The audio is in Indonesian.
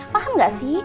paham gak sih